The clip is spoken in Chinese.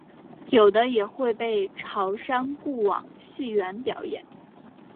有的也会被潮商雇往戏园表演。